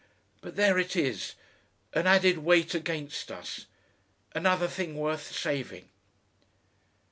But there it is, an added weight against us, another thing worth saving."